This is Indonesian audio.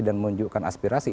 dan menunjukkan aspirasi